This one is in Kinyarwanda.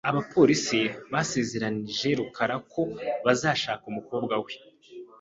Abapolisi basezeranije rukara ko bazashaka umukobwa we .